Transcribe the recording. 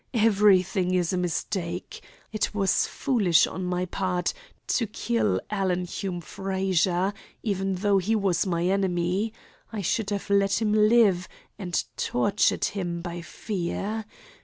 Everything is a mistake. It was foolish on my part to kill Alan Hume Frazer, even though he was my enemy. I should have let him live, and tortured him by fear.